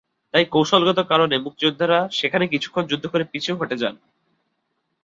তাই কৌশলগত কারণে মুক্তিযোদ্ধারা সেখানে কিছুক্ষণ যুদ্ধ করে পিছু হটে যান।